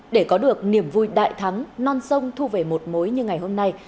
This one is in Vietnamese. để có được niềm vui đại thắng non sông thu về một mối như ngày hôm nay